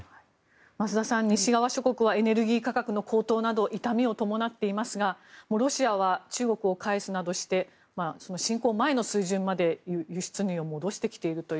増田さん、西側諸国はエネルギー価格の高騰など痛みを伴っていますがロシアは中国を介すなどして侵攻前の水準まで輸出入を戻してきているという。